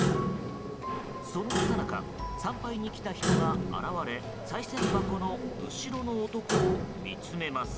そのさなか、参拝に来た人が現れさい銭箱の後ろの男を見つめます。